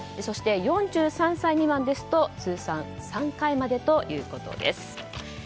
そして４３歳未満ですと通算３回までということです。